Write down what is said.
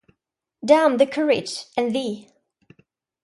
‘Damn the curate, and thee!